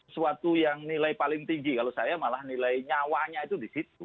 suatu yang nilai paling tinggi kalau saya malah nilai nyawanya itu di situ